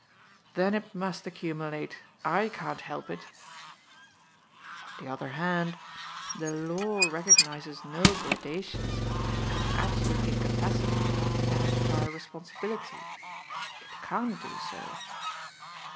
" Then it must accumulate. / can't help it." ^' On the other hand, the law recognizes no gradations between absolute incapacity and entire responsibility. It can't do so.